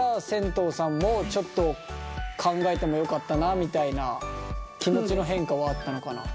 とうさんもちょっと考えてもよかったなみたいな気持ちの変化はあったのかな？